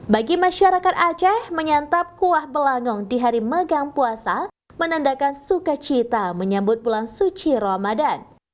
bagi masyarakat aceh menyantap kuah belangong di hari megang puasa menandakan sukacita menyambut bulan suci ramadan